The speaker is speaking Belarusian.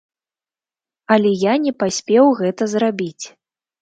Але я не паспеў гэта зрабіць.